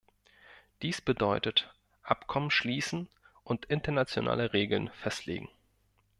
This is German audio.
Dies bedeutet, Abkommen schließen und internationale Regeln festlegen.